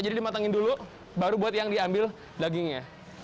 jadi dimatangin dulu baru buat yang diambil dagingnya